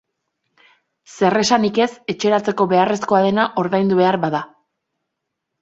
Zer esanik ez etxeratzeko beharrezkoa dena ordaindu behar bada.